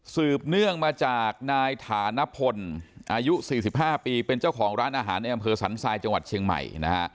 เนื่องมาจากนายฐานพลอายุ๔๕ปีเป็นเจ้าของร้านอาหารในอำเภอสันทรายจังหวัดเชียงใหม่นะฮะ